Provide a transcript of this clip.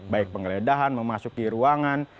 baik penggeledahan memasuki ruangan